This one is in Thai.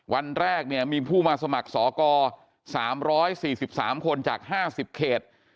วันแรกมีผู้สมัครศก๓๔๓คนจาก๕๐เขต